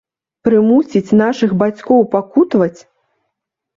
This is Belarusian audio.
Прымусіць нашых бацькоў пакутаваць?